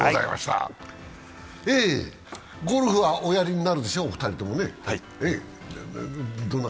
ゴルフはおやりになるでしょう、お二人ともね。